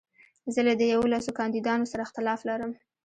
زه له دې يوولسو کانديدانو سره اختلاف لرم.